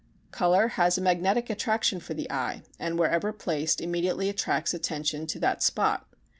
Color has a magnetic attraction for the eye and wherever placed immediately attracts attention to that spot.